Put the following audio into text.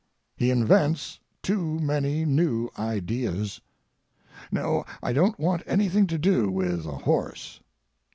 He invents too many new ideas. No, I don't want anything to do with a horse.